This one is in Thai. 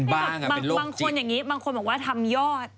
แบบบางคนอย่างนี้บางคนบอกว่าทำยอด